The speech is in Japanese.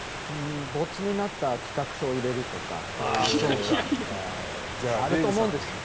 没になった企画書を入れるとかそういうのがあると思うんですけど。